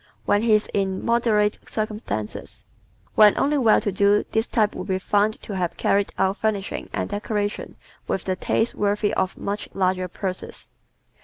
When He is in Moderate Circumstances ¶ When only well to do this type will be found to have carried out furnishings and decorations with the taste worthy of much larger purses.